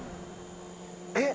えっ？